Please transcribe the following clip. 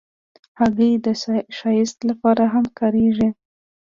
هګۍ د ښایست لپاره هم کارېږي.